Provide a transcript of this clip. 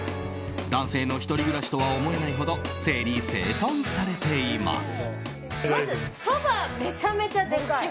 男性の１人暮らしとは思えないほど整理整頓されています。